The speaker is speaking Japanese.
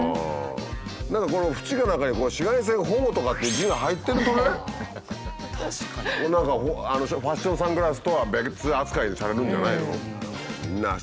この縁か何かに「紫外線」「保護」とかって字が入ってるとね何かファッションサングラスとは別扱いにされるんじゃないの？